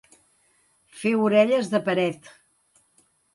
Fer orelles de paret.